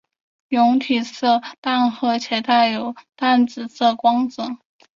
蛹体色淡褐且带有淡紫色光泽。